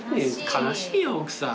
悲しいよ奥さん。